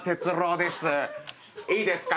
「いいですか？